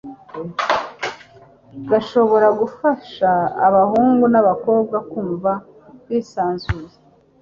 gashobora gufasha abahungu n'abakobwa kumva bisanzuye